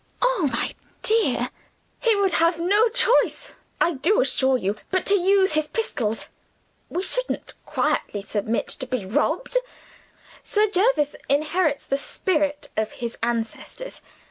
Oh, my dear, he would have no choice, I do assure you, but to use his pistols. We shouldn't quietly submit to be robbed. Sir Jervis inherits the spirit of his ancestors.